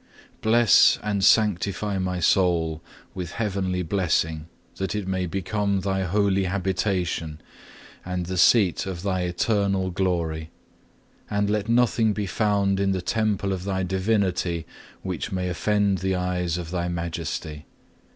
5. Bless and sanctify my soul with heavenly blessing that it may become Thy holy habitation, and the seat of Thy eternal glory; and let nothing be found in the Temple of Thy divinity which may offend the eyes of Thy majesty.